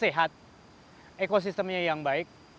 kemudian kita juga harus memiliki kekuatan yang baik